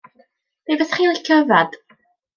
Be' fysach chi'n licio i yfad?